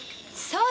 そう。